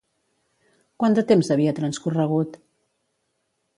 Quant de temps havia transcorregut?